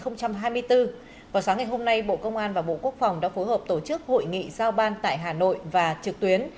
năm hai nghìn hai mươi bốn vào sáng ngày hôm nay bộ công an và bộ quốc phòng đã phối hợp tổ chức hội nghị giao ban tại hà nội và trực tuyến